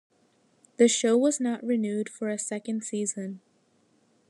The show was not renewed for a second season.